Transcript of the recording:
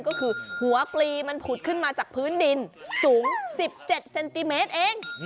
ก็คือหัวปลีมันผุดขึ้นมาจากพื้นดินสูง๑๗เซนติเมตรเอง